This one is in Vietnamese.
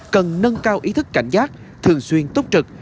cần nâng cao ý thức cảnh giác thường xuyên túc trực